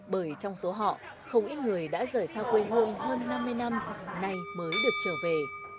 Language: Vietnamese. bởi trong số họ không ít người đã rời xa quê hương hơn năm mươi năm nay mới được trở về